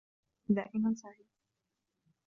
دائماً سعيد.